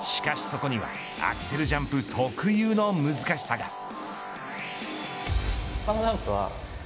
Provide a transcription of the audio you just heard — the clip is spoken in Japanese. しかしそこにはアクセルジャンプ特有の難しさが。